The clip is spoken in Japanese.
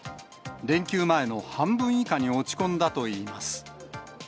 連休前の半分以下に落ち込んだといいます。